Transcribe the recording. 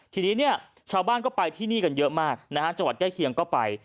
ทีนี้เนี่ยชาวบ้านก็ไปที่นี่กันเยอะมากนะฮะจังหวัดใกล้เคียงก็ไป